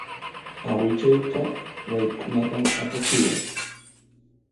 Awichayqa wayk'unatan apachiwan.